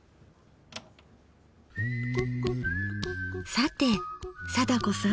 さて貞子さん。